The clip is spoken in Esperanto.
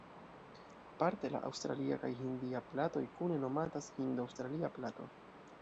Parte la aŭstralia kaj hindia platoj kune nomatas "hindo-aŭstralia plato".